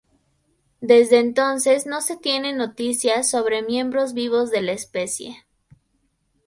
Desde entonces no se tiene noticias sobre miembros vivos de la especie.